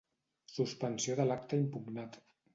Suspensió de l'acte impugnat.